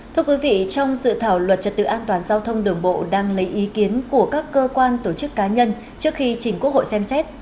thưa quý vị trong dự thảo luật trật tự an toàn giao thông đường bộ đang lấy ý kiến của các cơ quan tổ chức cá nhân trước khi chỉnh quốc hội xem xét